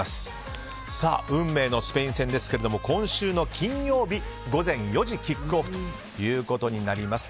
運命のスペイン戦ですけれども今週の金曜日午前４時キックオフとなります。